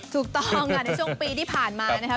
ถูกต้องในช่วงปีที่ผ่านมานะครับ